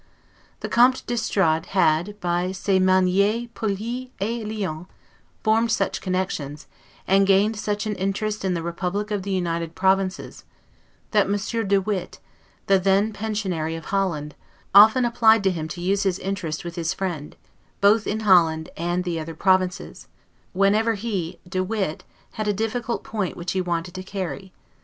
The Comte d'Estrades had, by 'ses manieres polies et liantes', formed such connections, and gained such an interest in the republic of the United Provinces, that Monsieur De Witt, the then Pensionary of Holland, often applied to him to use his interest with his friend, both in Holland and the other provinces, whenever he (De Witt) had a difficult point which he wanted to carry.